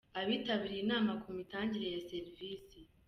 Abitabiriye inama ku mitangire ya serivisi.